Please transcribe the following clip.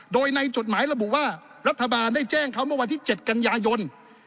โดยในจดหมายระบุว่ารัฐบาลได้แจ้งเขาเมื่อวันที่๗กันยายน